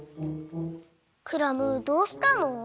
クラムどうしたの？